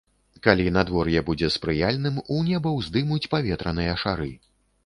Калі надвор'е будзе спрыяльным, у неба ўздымуць паветраныя шары.